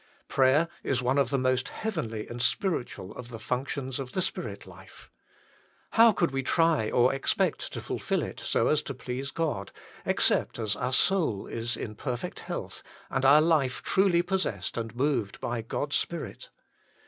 Prayer is one of the most heavenly and spiritual of the functions of the Spirit life. How could we try or expect to fulfil it so as to please God, except as our soul is in perfect health, and our life truly possessed and moved by God s Spirit